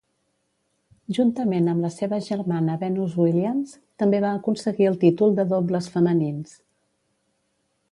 Juntament amb la seva germana Venus Williams, també va aconseguir el títol de dobles femenins.